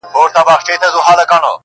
• درې څلور یې وه بچي پکښي ساتلي -